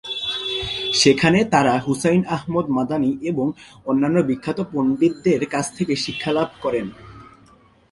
সেখানে তারা হুসাইন আহমদ মাদানি এবং অন্যান্য বিখ্যাত পণ্ডিতদের কাছ থেকে শিক্ষালাভ করেন।